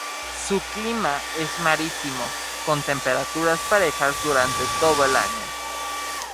Su clima es marítimo con temperaturas parejas durante todo el año.